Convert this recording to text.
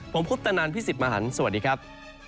ผมพุทธนานพี่สิบมาหันสวัสดีครับ